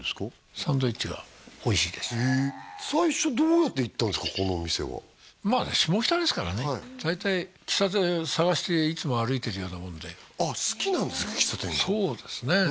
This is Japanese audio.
サンドイッチがおいしいですへえ最初どうやって行ったんすかここのお店はまあ下北ですからね大体喫茶店探していつも歩いてるようなもんであっ好きなんですか喫茶店そうですね